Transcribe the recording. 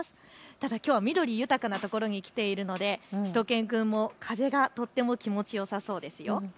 ただきょうは緑豊かな所に来ているのでしゅと犬くんも風がとっても気持ちよさそうですよ。